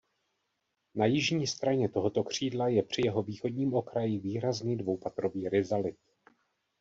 Na jižní straně tohoto křídla je při jeho východním okraji výrazný dvoupatrový rizalit.